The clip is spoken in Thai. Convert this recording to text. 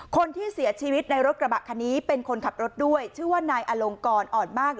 คนที่เสียชีวิตในรถกระบะคันนี้เป็นคนขับรถด้วยชื่อว่านายอลงกรอ่อนมาก